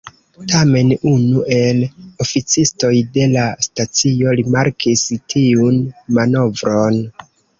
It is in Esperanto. Tamen unu el oficistoj de la stacio rimarkis tiun manovron.